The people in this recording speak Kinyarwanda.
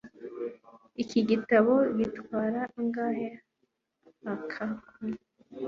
Iki gitabo gitwara angahe Hakaku